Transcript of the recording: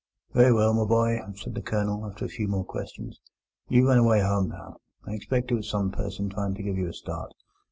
"Very well, my boy," said the Colonel, after a few more questions. "You run away home now. I expect it was some person trying to give you a start.